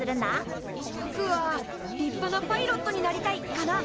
ぼくは「りっぱなパイロットになりたい」かな。